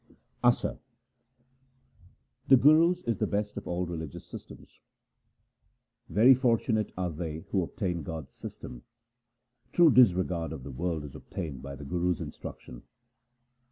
Asa The Guru's is the best of all religious systems :— Very fortunate are they who obtain God's system. 1 True disregard of the world is obtained by the Guru's instruction.